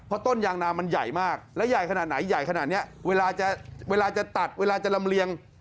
เพราะต้นยางนามันใหญ่มากแล้วใหญ่ขนาดไหนใหญ่ขนาดนี้เวลาจะเวลาจะตัดเวลาจะลำเลียง